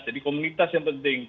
jadi komunitas yang penting